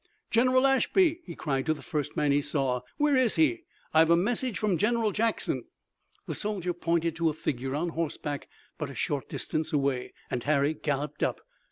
"General Ashby!" he cried to the first man he saw. "Where is he? I've a message from General Jackson!" The soldier pointed to a figure on horseback but a short distance away, and Harry galloped up.